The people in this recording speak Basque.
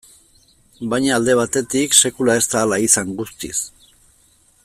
Baina alde batetik, sekula ez da hala izan guztiz.